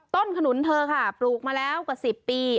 ขนุนเธอค่ะปลูกมาแล้วกว่า๑๐ปี